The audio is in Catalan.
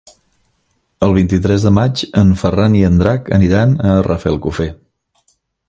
El vint-i-tres de maig en Ferran i en Drac aniran a Rafelcofer.